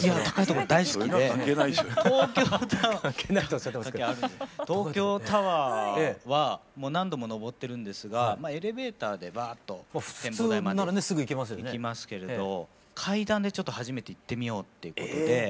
高い所大好きで東京タワーはもう何度も上ってるんですがエレベーターでバーッと展望台まで行きますけれど階段でちょっと初めて行ってみようということで。